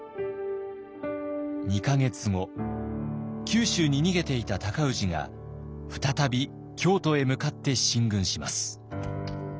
２か月後九州に逃げていた尊氏が再び京都へ向かって進軍します。